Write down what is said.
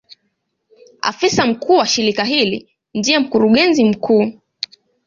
Afisa mkuu wa shirika hili ndiye Mkurugenzi mkuu.